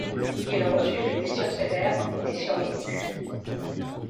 Il reçut des blessures sévères mais survécut.